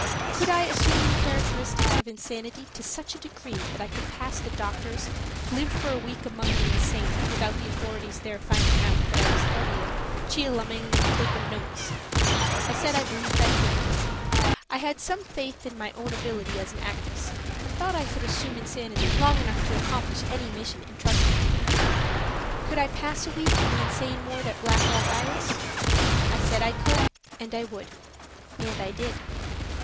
Could I assume the characteristics of insanity to such a degree that I could pass the doctors, live for a week among the insane without the authorities there finding out that I was only a "chiel amang 'em takin' notes?" I said I believed I could. I had some faith in my own ability as an actress and thought I could assume insanity long enough to accomplish any mission intrusted to me. Could I pass a week in the insane ward at Blackwell's Island? I said I could and I would. And I did.